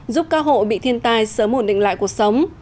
giúp các hộ bị thiên tai sớm ổn định lại cuộc sống